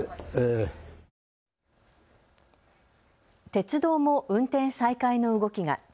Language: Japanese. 鉄道も運転再開の動きが。